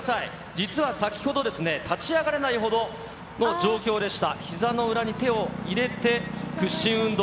実は先ほどですね、立ち上がれないほどの状況でした。